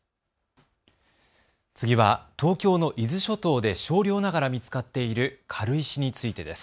次は東京の伊豆諸島で少量ながら見つかっている軽石についてです。